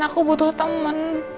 aku butuh temen